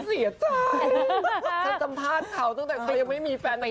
ฉันเสียใจฉันจำพาก้าวสั้นแต่ก็ไม่มีแฟนเลย